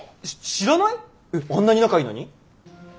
えっあんなに仲いいのに？